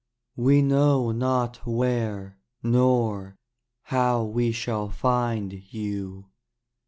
We know not where, Nor how we shall find you.